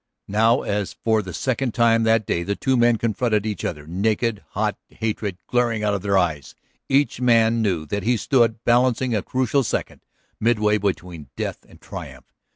Now, as for the second time that day the two men confronted each other, naked, hot hatred glaring out of their eyes, each man knew that he stood balancing a crucial second, midway between death and triumph.